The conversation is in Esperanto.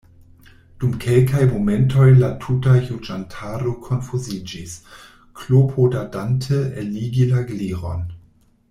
Dum kelkaj momentoj la tuta juĝantaro konfuziĝis, klopodadante eligi la Gliron.